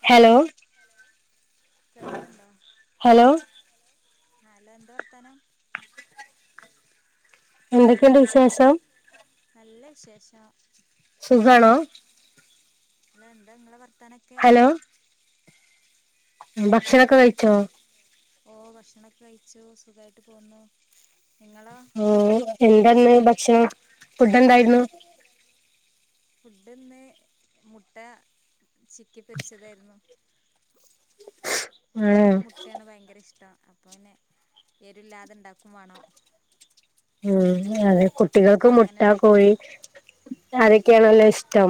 Hello, hello കേൾക്കുന്നുണ്ടോ? Hello hello എന്താ വർത്താനം? എന്തൊക്കെ ഉണ്ട് വിശേഷം? നല്ല വിശേഷം സുഖാണോ? ന്ന എന്താ ഇങ്ങെളെ വർത്താനൊക്കെ ഉം ഭക്ഷണാെക്കെ കയ്ച്ചോ ഓഹ് ഭക്ഷണൊക്കെ കയ്ച്ചു സുഖായ്ട്ട് പോവ്ന്നു നിങ്ങളാേ എന്താ ഇന്ന് ഭക്ഷണം ഫുഡ്ഡെന്തായ്ര്ന്നു ഫുഡ്ഡ്ന്ന് മുട്ടാ ചിക്കി പൊരിച്ചതായ്ര്ന്നു കുട്ട്യേൾക്ക് മുട്ടേണ് ഭയങ്കര ഇഷ്ടം അപ്പൊ പിന്നെ എരുല്ലാതെണ്ടാക്കും വാണം ഉം അതെ കുട്ടികൾക്ക് മുട്ടാ കോഴി അതൊക്കെയാണല്ലോഷ്ടം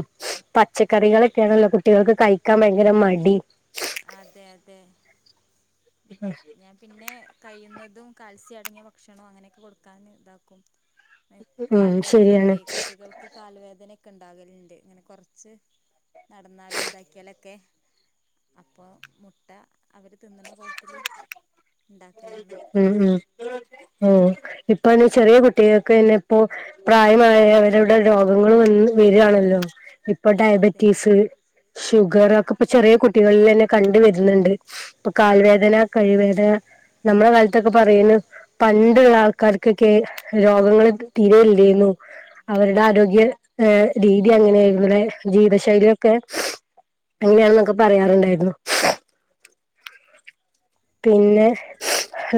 പച്ചക്കറികളൊക്കേണല്ലോ കു ട്ട്യേൾക്ക് കഴിക്കാം ഭയ്ങ്കര മടി അതെ അതെ [unintelligible] പിന്നെ കഴിയുന്നതും കാൽസ്യം അടങ്ങിയ ഭക്ഷണോ അങ്ങനെയൊക്കെ കൊട്ക്കാന് താക്കും കാൽ വേദെനൊക്കെ കുട്ടികൾ ക്ക് കാൽ വേദെനൊക്കെണ്ടാകല്ണ്ട് ങ്ങെനെ കൊർച്ച് നട്ന്നാലും താക്ക്യാലൊക്കെ അപ്പൊ മുട്ട അവെര് തിന്ന്ണ കോൽത്ത്ല് ഇണ്ടാക്കലാണ് ഉം ഉം ഓഹ് ഇപ്പയ്ന് ചെറ്യേ കുട്ടികക്ക് തന്നെ ഇപ്പോ പ്രായമായവരുടെ രോഗങ്ങള് വന്ന് വെരാണല്ലോ ഇപ്പൊ ഡയബെറ്റീസ് ഷുഗറ് അതൊക്കെ ഇപ്പൊ ചെറ്യേ കുട്ടികളിൽന്നെ കണ്ട് വര്ന്ന്ണ്ട് പ്പ കാൽവേദനാ കഴ്‌വേദന ഞമ്മളെ കാൽത്തൊക്കെ പറയ്ണ് പണ്ട്ള്ള ആൾക്കാര്ക്കൊക്കെ രോഗങ്ങള് തീരേ ഇല്ലേന്നു അവരുടെ ആരോഗ്യ ഏഹ് രീതി അങ്ങനേര്ന്നുലേ ജീവ്ത ശൈല്യൊക്കെ അങ്ങെനെയാണ്ന്നൊക്കെ പറയാറ്ണ്ടായ്ര്ന്നു. പിന്നെ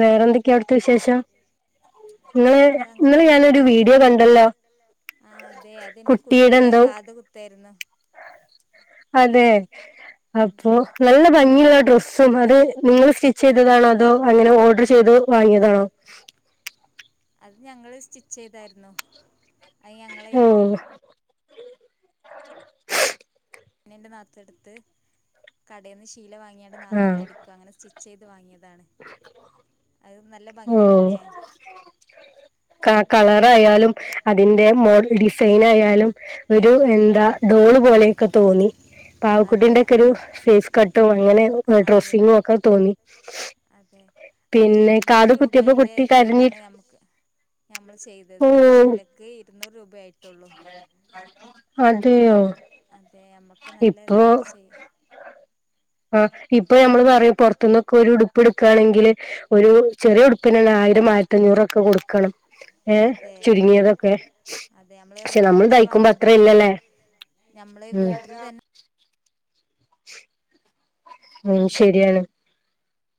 വേറെന്തൊക്ക്യാ അവ്ട്ത്തെ വിശേഷം? ഇങ്ങെള് ഇന്നെലെ ഞാനൊരു വീഡിയോ കണ്ടല്ലോ ആഹ് അതെ അതെന്റെ കുട്ടിയ്ടെ കാത് കുത്തായ്ര്ന്നു. അതേ അപ്പോ നല്ല ഭംഗിള്ള ഡ്രസ്സും അത് നിങ്ങെള് സ്റ്റ് ച്ചെയ്തതാണോ അതോ അങ്ങെനെ ഓഡെർ ചെയ്ത് വാങ്ങ്യതാണോ? അത് ഞങ്ങള് സ്റ്റിച്ചെയ്തായ്ര്ന്നു അത് ഞങ്ങെളേ ഓഹ് പിന്നെ ന്റെ നാത്തു എട്ത്ത് കടേന്ന് ശീല വാങ്ങ്യാണ്ട് നാത്തുനടി ക്കും അങ്ങെനെ സ്റ്റിച്ചെയ്ത് വാങ്ങ്യേതാണ് അത് നല്ല ഭംഗിണ്ട്ലേ ക കളറായാലും അതിന്റെ മോ ഡിസൈനായാലും ഒരു എന്താ ഡോള് പോലെയൊക്കെ തോന്നി പാവക്കുട്ടിന്റെ ഒക്കെ ഒരു ഫേയ്സ് കട്ടും അങ്ങെനെ ഡ്രസ്സിങ്ങും ഒക്കെ തോന്നി അതെ അയ് ഇര്ന്നൂറ് രൂപേന്റെ തിലാണ് നമ്ക്ക് ഞമ്മള് ചെയ്തെത് ശീലെക്ക് ഇര്ന്നൂറ് രൂപേ ആയിട്ടാെള്ളൂ. അതേയോ അതേ അമ്മക്ക് നല്ല തായ്ട്ട് ചെയ്യാ ആഹ് ഇപ്പം ഞമ്മള് പറയും പൊർത്ത്ന്നൊക്കെ ഒരു ഉടുപ്പ് ഇട്ക്കാണെങ്കില് ഒരു ചെറ്യേ ഉടുപ്പിനെന്നെ ആയിരം ആയ്ര്ത്തഞ്ഞൂറൊക്കെ കൊട്ക്കണം അതെ അതെ അമ്മള് ഈ റെഡിമെയ്ഡായി വാങ്ങുമ്പ അങ്ങെന്യേണ് നമ്മളെ വീട്ടിൽ ത ഉം ശരിയാണ്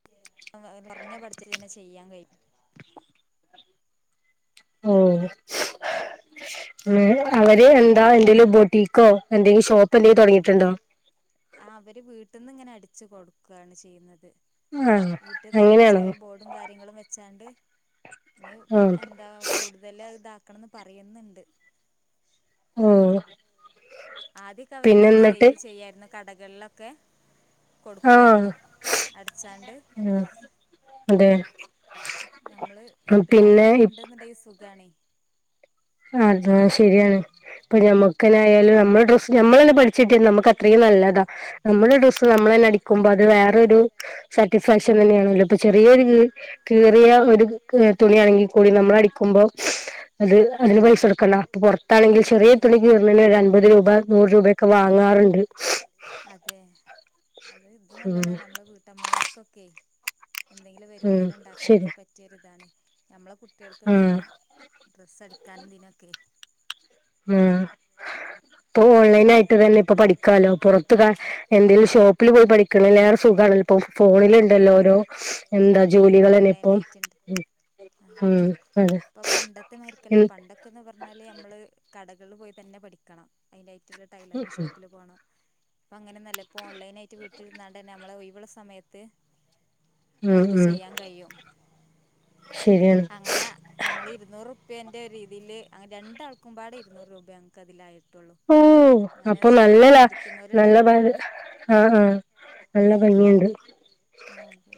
[unintelligible] പഠിച്ച തന്നെ ചെയ്യാൻ കഴി ഓഹ് [unintelligible] അവരേ എന്താ എന്തെലും ബൗട്ടിക്കോ എന്തെങ്കിലും ഷോപ്പ് എന്തെങ്കിലും തൊടങ്ങിട്ടുണ്ടോ? ആ അവര് വീട്ട്ന്ന് ഇങ്ങനെ അടിച്ച് കൊടുക്കാണ് ചെയ്യുന്നത് വീട്ടിൽ തന്നെ ചെറിയ ബോ കാര്യങ്ങളും വെച്ചാണ്ട് ഇഞ്ഞ് എന്താ കൂടുതൽ അഹ് ഇതാക്കണംന്ന് പറയ്ന്നുണ്ട്. ആദ്യക്ക അവരിങ്ങനെ സെയിൽ ചെയ്യായിരുന്നു കടകള്ലൊക്കെ കൊടുക്കായിരുന്നു അട്ച്ചാണ്ട് ഉം എന്തേ? നമ്മള് വീട്ടിൽ ആരെങ്കിലുംക്കെ ഇണ്ട്ന്നുണ്ടെങ്കിൽ സുഖാണേ. അതാ ശരിയാണ് ഇപ്പ നമ്മക്ക്ന്നെ ആയാലും നമ്മള് ഡ്രസ് നമ്മളന്നെ പഠിച്ചിട്ടി നമുക്ക് അത്രയും നല്ലതാ നമ്മള ദിവസം നമ്മൾ തന്നെ അടിക്കുമ്പോ അത് വേറൊരു സാറ്റിസ്ഫാക്ഷൻ തന്നെയാണല്ലോ ഇപ്പൊ ചെറിയൊരു കീർ കീറിയ ഒരു ബുക്ക് തുണിയാണെങ്കിൽ കൂടി നമ്മൾ അടിക്കുമ്പോ അത് അതിന് പൈസടുക്കണ്ട അപ്പൊ പൊറത്താണെങ്കിൽ ചെറിയ തുണി കീർനേന് ഒരു അമ്പപത് രൂപ നൂറ് രൂപയക്കെ വാങ്ങാറുണ്ട് അതെ അത് ഇത് നല്ലതാണ് നമ്മുടെ വീട്ടമ്മമാർക്കൊക്കെ എന്തെങ്കിലും വരുമാനം ഇണ്ടാക്കാനൊക്കെ പറ്റിയൊരു ഇതാണ് ഞമ്മളെ കുട്ട്യൾക്ക് തന്നെ ഡ്രസ്സ് അടിക്കാനും ഇതിനൊക്കെ ഉം ഇപ്പൊ ഓൺലൈൻ ആയിട്ട് തന്നെ ഇപ്പ പഠിക്കാലോ പൊറത്ത് താ എന്തെങ്കിലും ഷോപ്പിൽ പോയി പടി അതെ ഓൺലൈൻ ആയിട്ട്ണ്ട്. ആ ഇപ്പൊ പണ്ടത്തെമാരിക്കല്ല പണ്ട ക്ക്ന്ന് പർഞ്ഞാല് നമ്മള് കടകള്ൽ പോയി തന്നെ പഠിക്കണം അയിനായിട്ട്ള്ള ടൈലർന് ഷോപ്പില് പോണ. ഇപ്പ അങ്ങനൊന്നല്ല ഇപ്പൊ ഓൺലൈനായിട്ട് വീട്ടിരുന്നാണ്ട്ന്നെ നമ്മളെ ഒഴിവ്ള്ള സമയത്ത് നമ്മക്ക് ചെയ്യാൻ കഴിയും. ശരിയാണ് അങ്ങനെ ഞങ്ങള് ഇരുന്നൂറ്പ്യേൻ്റെ രീതിയിൽ അങ്ങനെ രണ്ടാൾക്കുമ്പാടെ ഇരുന്നൂറ് രൂപ ഞങ്ങക്ക് അതിലായിട്ടുള്ളൂ. ഓ അപ്പൊ നല്ലതാ നല്ല [unintelligible] ആ ആ നല്ല ഭംഗിയ്ണ്ട്. ആ അതെ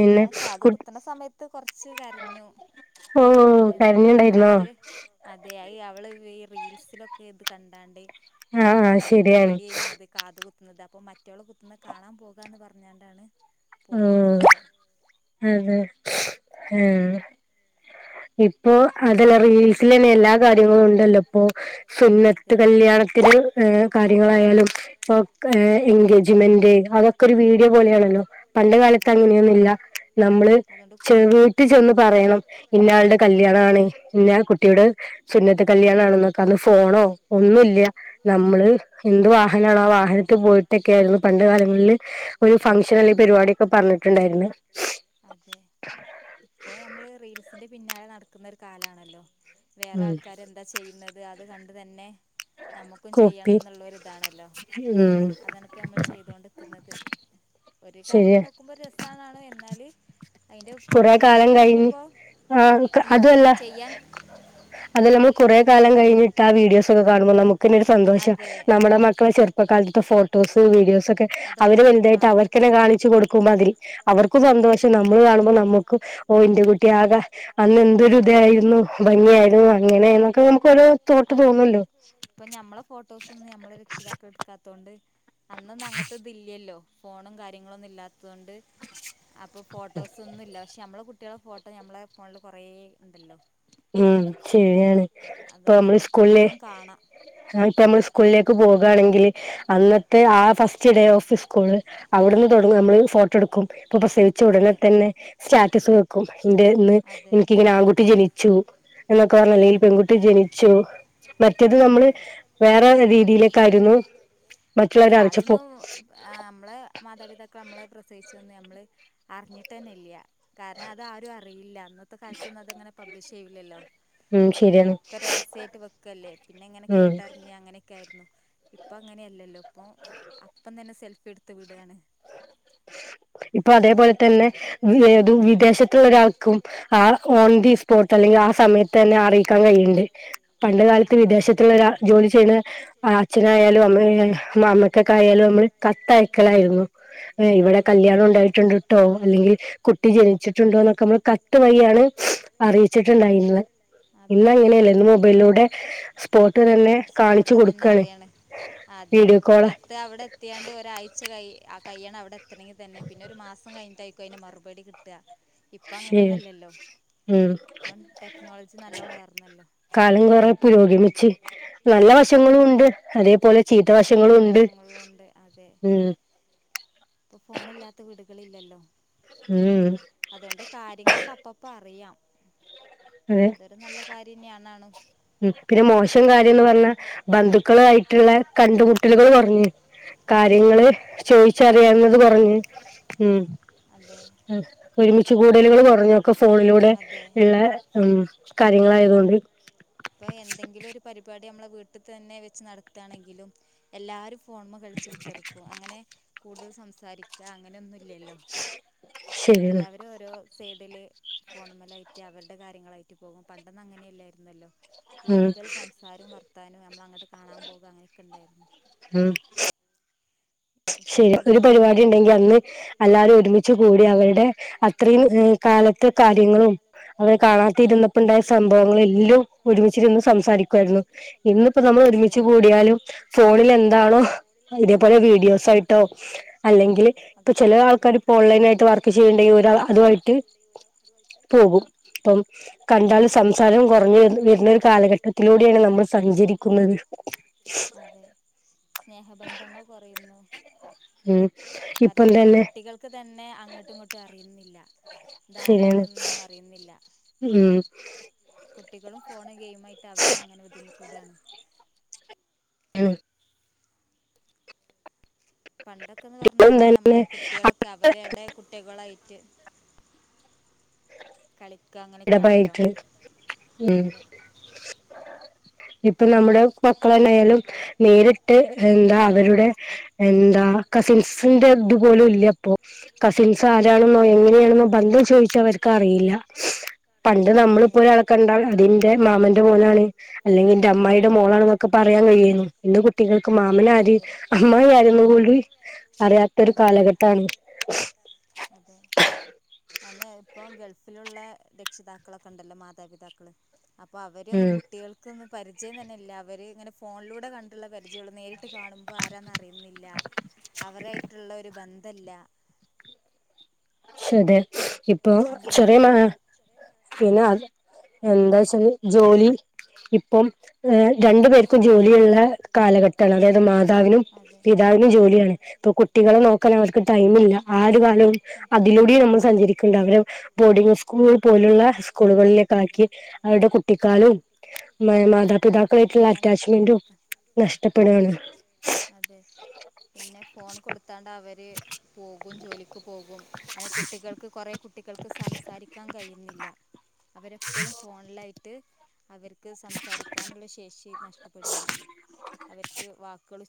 പിന്നെ കാത് കുത്ത്ണ സമയത്ത് കൊർച്ച് കരഞ്ഞു. എ മറ്റേ അതെ അയ് അവള് ഈ റീൽസിലൊക്കെ ഇത് കണ്ടാണ്ട് ഓക്ക് ഭയങ്കര പേടിയേനു അത് കാത് കു ത്ത്ണത് അപ്പൊ മറ്റോള് കുത്തുന്നേ കാണാൻ പോകാന്ന് പറഞ്ഞാണ്ടാണ് പോയത് ഞങ്ങള്. ആഹ് ആഹ് ആഹ് ഇപ്പോ അതെല്ല റീൽസ് [unintelligible] എല്ലാ കാര്യങ്ങളും ഉണ്ടല്ലോ ഇപ്പൊ സുന്നത്ത് കല്യാണത്തിന് ഏ കാര്യങ്ങളായാലും ഒക്കെ ഏ എൻഗേജ്മെന്റ് അതൊക്കെ ഒരു വീഡിയോ പോലെയാണല്ലോ പണ്ട് കാലത്ത് അങ്ങനെയൊന്നുല്ല. നമ്മള് [unintelligible] ചെന്ന് പറയണം ഇന്നയാളുടെ കല്യാണാണ്‌ ഇന്ന കുട്ടിയുടെ സുന്നത്ത് കല്യാണ ആണെന്നൊക്കെ അന്ന് ഫോണോ ഒന്നുല്ല. നമ്മള് എന്ത് വാഹനാണോ ആ വാഹനത്ത് പോയിട്ടൊക്കെയ ആയിരുന്നു പണ്ട് കാലങ്ങളില് ഒരു ഫംഗഷനല്ലെ പരിപാടിയൊക്കെ പറഞ്ഞിട്ടുണ്ടായിരുന്നു അതെ ഇപ്പൊ ഞമ്മള് റീൽസിന്റെ പിന്നാലെ നടക്കുന്നൊരു കാലണല്ലോ? വേറാൾക്കാരെന്താ ചെയ്യുന്നത് അത് കണ്ട് തന്നെ നമ്മുക്കും ചെയ്യണന്നുള്ളൊരുതാണല്ലോ അതാണ് പ്പം ഞമ്മള് ചെയ്തോണ്ട്ക്കുന്നത് ഒരു കാര്യത്തി നോക്കുമ്പോ രസാണാണ് എന്നാല് കുറെേ കാലം കഴിഞ്ഞ് ആഹ് അതുവല്ല അത് നമ്മള് കുറെ കാലം കഴിഞ്ഞിട്ട് ആ വീഡിയോസൊക്കെ കാണുമ്പോ നമുക്കന്നൊരു സന്തോഷം നമ്മുടെ മക്കളെ ചെറുപ്പക്കാലത്തെ ഫോട്ടോസ്, വീഡിയോസൊക്കെ അവര് വലുതായിട്ട് അവർക്കന്നെ കാണിച്ച് കൊടുക്കുമ്പോ അതിൽ അവർക്കും സന്തോഷം നമ്മള് കാണുമ്പോ നമ്മക്കും ഓ ഇന്റെ കുട്ടിയാകെ അന്ന്ന്തൊരു ഇതായിരുന്നു ഭംഗിയായിരുന്നു അങ്ങനെന്നൊക്കെ നമുക്കോരോ തോട്ട് തോന്നുല്ലോ? ഇപ്പൊ ഞമ്മളെ ഫോട്ടോസൊന്നും ഞമ്മളെ രക്ഷിതാക്കള്ടുക്കാത്തോണ്ട് അന്നൊന്നും അങ്ങത്തെത് ഇല്ല്യല്ലോ ഫോണും കാര്യങ്ങളൊന്നും ഇല്ലാത്ത തോണ്ട് അപ്പോ ഫോട്ടോസൊന്നുല്ല പക്ഷെയമ്മളെ കു ട്ട്യളെ ഫോട്ടോ ഞമ്മളെ ഫോണില് കൊറേണ്ടല്ലോ? ഉം ശരിയാണ് ഇപ്പൊ നമ്മള് സ്കൂൾല് ആ ഇപ്പമ്മള് സ്കൂളിലേക്ക് പോവാണെങ്കില് അന്നത്തെ ആ ഫസ്റ്റ് ഡേ ഓഫ്‌ സ്കൂള് അവിടുന്ന് തൊട്ങ്ങും നമ്മള് ഫോട്ടോ എടുക്കും ഇപ്പൊ പ്രസവിച്ചയുടനെ തന്നെ സ്റ്റാറ്റസ് വെക്കും ഇന്റെ ഇന്ന് ഇനിക്കിങ്ങനെ ആകുട്ടി ജനിച്ചു എന്നൊക്കെ പറഞ്ഞ അല്ലേൽ പെൺകുട്ടി ജനിച്ചു മറ്റേത് നമ്മള് വേറെ രീതിയിലക്കായിരുന്നു മറ്റുള്ളവരെ അറിയിച്ചപ്പോ ആഹ്‌ അമ്മളെ മാതാപിതാക്കള് അമ്മളെ പ്രസവിച്ചന്ന് ഞമ്മള് അറിഞ്ഞിട്ടെന്നെല്ല്യ കാരണം അതാരും അറിയില്ല അന്നത്തെ കാലത്തൊന്നും അതങ്ങനെ പബ്ലിഷെയ്യില്ലല്ലോ ഒക്കെ രഹസ്യായിട്ട് വെക്കല്ലേ പിന്നെങ്ങനെ കേട്ടർഞ്ഞ് അങ്ങനെ ക്കേര്ന്നു ഇപ്പൊ അങ്ങനെയല്ലല്ലോ ഇപ്പൊ അപ്പം തന്നെ സെൽഫിയെട്ത്ത് വിടാണ്. ഇപ്പൊ അതേപോലെ തന്നെ വെതു വിദേശത്തുള്ളൊരാൾക്കും ആഹ് ഓൺ ദി സ് പോർട്ട് അല്ലെങ്കി ആഹ് സമയത്തന്നെ അറിയിക്കാൻ കഴിയ്ണ്ട് പണ്ട് കാലത്ത് വിദേശത്ത്ള്ള ഒരാൾ ജോലി ചെയ്യുന്ന അ ച്ഛനായാലും, അമ്മ അമ്മയ്ക്കൊക്കായാലും അമ്മള് കത്തയക്കലായിര്ന്നു. എഹ് ഇവിടെ കല്യാണുമുണ്ട് കല്യാണം ഉണ്ടായിട്ടുണ്ട്ട്ടോ, കുട്ടി ജയിച്ചിട്ട്ണ്ട്ട്ടോ, എന്നൊക്കെ കത്ത് വഴിയാണ് അറിയിച്ചിട്ടുണ്ടായി അതെ അതെ ഇന്നങ്ങനയല്ല ഇന്ന് മൊബൈലൂടെ സ്പോട്ട് തന്നെ അറിയാണ്. ആദ്യം കത്ത് അവ്ടെയെത്തിയാണ്ട് ഒരാഴ്ച കൈ ആ കയ്യണം ഔടെ എത്തണങ്കിതന്നെ. പിനൊരു മാസം കഴിഞ്ഞിട്ടായിര് ക്കും അയിന് മറുപടി കിട്ട ഇപ്പ അങ്ങനെയൊന്നു അല്ലല്ലോ? ഉം ഇപ്പം ടെക്നോളജി നല്ലോം വളർന്നല്ലോ [unintelligible] അതെ നല്ല വശങ്ങളുണ്ട് ചീത്ത വശങ്ങളും ണ്ട് അതെ ഇപ്പൊ ഫോണില്ലാത്ത വീടുകളില്ലല്ലോ? ഉം ഹ് അതോണ്ട് കാര്യങ്ങളൊക്കെ അപ്പപ്പറിയാം അതൊരു ന്നല്ല കാര്യന്നെയാണാണു. ഉം പിന്നെ മോശം കാര്യംന്ന് പർഞ്ഞാ ബന്ധുക്കളുവായിട്ടുള്ള കണ്ടുമുട്ടലുകള് കൊറഞ്ഞ്. കാര്യങ്ങള് ചോയിച്ചറിയാവുന്നത് കൊറഞ്ഞ് ഉം ഉം ഒരുമിച്ച് കൂടുലുകള് കൊറഞ്ഞു ഒക്കെ ഫോണിലൂടെ എഹ് ഉം കാര്യങ്ങളായതുകൊണ്ട് ഇപ്പൊ എന്തെങ്കിലും ഒരു പരിപാടി ഞമ്മളെ വീട്ടിൽ തന്നെ വെച്ച് നടത്തണെങ്കിലും എല്ലാരും ഫോൺമെ കൾച്ച് കുത്തർക്കും അങ്ങനെ കൂടുതൽ സംസാരിക് ദാ അങ്ങനൊന്നുല്ലല്ലോ എല്ലവര് ഓരോ സൈഡില് ഫോണമലായിട്ട് അവരുടെ കാര്യങ്ങളായിട്ട് പോകും പണ്ടോന്നും അങ്ങനെയല്ലായിരുന്നല്ലോ കൂടുതൽ സംസാരം വർത്താനം ഞമ്മള അങ്ങട്ട് കാണാൻ പോക അങ്ങനെയൊക്കെണ്ടായിര്ന്നു. ഉം ശെരി ഒര് പരിപാടി ഉണ്ടെങ്കി അന്ന് എല്ലാരും ഒരുമിച്ച് കൂടി അവരുടെ അത്രയും ഹ് കാലത്തെ കാര്യങ്ങളും അവരെ കണാതിര്ന്നപ്പോണ്ടായ സംഭവങ്ങളും എല്ലോം ഒരുമിച്ചിര്ന്ന് സംസാരിക്കുവയ്ര്ന്നു ഇന്ന്പ്പോ ന്നമ്മള് ഒരുമിച്ച് കൂടിയാലും ഫോണിൽ എന്താണോ ഇതേപോലെ വീടി വീഡിയോസ് ആയിട്ടോ അല്ലെങ്കില് ഇപ്പൊ ചെല ആൾക്കാര്പ്പോ ഓൺലൈനായിട്ട് വർക്ക് ചെയ്യണ്ടെങ്കി ഒരാൾ അത് വഴി റ്റ് പോകും പ്പം കണ്ടാൽ സംസാരം കൊർഞ്ഞ് വേര്ന് വേര്നോര് കാലഘട്ടത്തിലൂടെയാണ് ന്നമ്മൾ സഞ്ചരിക്കുന്നത് അതെ സ്നേഹബന്ധങ്ങൾ കൊറയുന്നു പരസ്പരം കുട്ടികൾ ക്കെ തന്നെ അങ്ങട്ടും ഇങ്ങട്ടും അറിയുന്നില്ല ഇത് ആരാണേന്നും അറിയുന്നില്ല. ഉം കുട്ടികളും ഫോണും ഗെയിമും ആയിട്ട് അവരും അങ്ങനെ ഒതുങ്ങിക്കൂടണ് ഉം പണ്ടൊക്കെന്ന് പറഞ്ഞാല് ഞമ്മള് കുട്ടികളൊ ക്ക അവരടെ കുട്ടികളായിട്ട് കളിക്കാ അങ്ങ ഇടപായിട്ട് ഉം ഇപ്പൊ ന്നമ്മുടെ മക്കളെന്നെയാലും ന്നേരിട്ട് എന്താ അവരുടെ എന്താ കസിൻസിന്റെ ഇത്പോലും ഇല്ല ഇപ്പോ കസിൻസ് ആരാണെന്നോ എങ്ങനെയാണെന്നോ ബന്ധം ചോയിച്ച അവർക്ക് അറിയില്ല. പണ്ട് നമ്മളിപ്പോൊഒരാളക്ക കണ്ടാൽ അതിന്റെ മാമന്റെ മോളാണ് അല്ലെങ്കിൽ എന്റെ അമ്മയിടെ മോളാണ്ക്കെ പറയാൻ കഴിയുന്നു ഇന്ന്കുട്ടികൾക്ക് മാമനാര് അമ്മയി ആരന്ന്കൂടി അറിയ ത്തരു കാലഘട്ടാണ് അതെ അല്ലെ ഇപ്പേൾഗൾഫിലുള്ള രക്ഷിതാക്കളൊക്കെ ഉണ്ടല്ലോ മാതാപിതാക്കള് അപ്പൊ അവരൊന്നും കുട്ടികൾക്ക്ന്നും പരിചയം തന്നെ ഇല്ല അവര് ഇങ്ങനെ ഫോണിലൂടെ കണ്ട നേരിട്ട് കാണുമ്പോൾ ആരന്ന അറിയുന്നില്ല അവരായിട്ടുള്ള ഒരു ബന്ധല്ല ശരി ഇപ്പൊ ചെറിയമ്മ പിന്നെ അ എന്താ വച്ചാല് ജോലി ഇപ്പം രണ്ടു പേർ ജോലിയുള്ള കാലഘട്ടാണ് അതായത് മാതാവിനും പിതാവിനും ജോലിയാണ് ഇപ്പൊ കുട്ടികളെ നോക്കാൻ അവർക്ക് ടൈമില്ല ആ ഒരു കാലവും അതിലൂടെ നമ്മൾ സഞ്ചരിക്കേണ്ട അവടെ ബോർഡിങ്സ്കൂൾ പോലുള്ള സ്കൂളുകളിലൊക്കെ ആക്കി അവരുടെ കുട്ടിക്കാലും മാത പിതാക്കളായിട്ടുള്ള അറ്റാച്ച്മെന്റും നഷ്ടപ്പെടാണ് അതെ പിന്നെ ഫോൺ കൊടുത്താണ്ട് അവര് പോകും ജോലി പോകും അങ്ങനെ കുട്ടികൾക്ക് കുറെേ കുട്ടികൾക്ക് സംസാരിക്കാൻ കഴിയുന്നില്ല അവരെപ്പോഴും ഫോണിലായിട്ട് അവർക്ക് സംസാരിക്കാനുള്ള ശേഷി നഷ്ടപ്പെടണ് അവർക്ക് വാക്കുകൾ